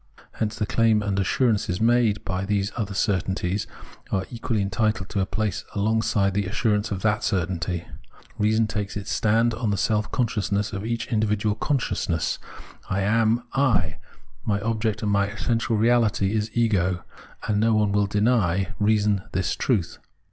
Hence the claims and assurances made by these other certainties are equally VOL. I.—Q 226 Phenomenology of Mind entitled to a place alongside the assurance of that certainty. Reason takes its stand on the self conscious ness of each individual consciousness : I am I, my object and my essential reahty is ego ; and no one will deny reason this truth.